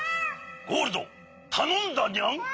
ゴールドたのんだにゃん。